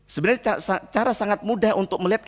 sebenarnya cara sangat mudah untuk melihat